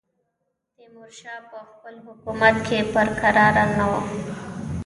تیمورشاه په خپل حکومت کې پر کراره نه وو.